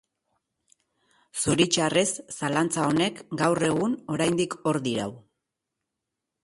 Zoritxarrez zalantza honek, gaur egun oraindik hor dirau.